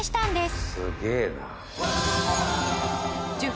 すげえな。